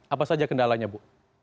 apa saja kendalanya bu